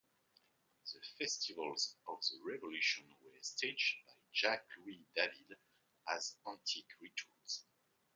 The festivals of the Revolution were staged by Jacques-Louis David as antique rituals.